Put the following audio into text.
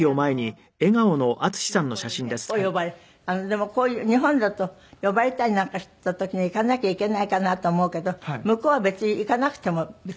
でもこういう日本だと呼ばれたりなんかした時には行かなきゃいけないかなと思うけど向こうは別に行かなくても別にね。